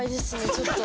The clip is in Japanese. ちょっと。